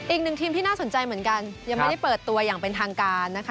อีกหนึ่งทีมที่น่าสนใจเหมือนกันยังไม่ได้เปิดตัวอย่างเป็นทางการนะคะ